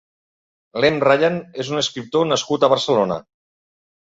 Lem Ryan és un escriptor nascut a Barcelona.